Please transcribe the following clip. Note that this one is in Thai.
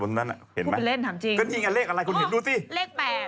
พูดเป็นเลขถามจริงก็นี่ไงเลขอะไรคุณเห็นดูสิอ๋อเลข๘